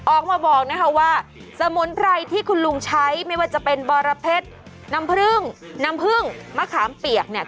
ออกมาบอกนะคะว่าสมุนไพรที่คุณลุงใช้ไม่ว่าจะเป็นบรเพชรน้ำผึ้งน้ำผึ้งมะขามเปียกเนี่ย